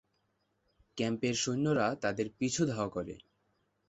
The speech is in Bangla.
ক্যাম্পের সৈন্যরা তাদের পিছু ধাওয়া করে।